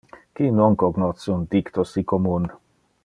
Qui non cognosce un dicto si commun?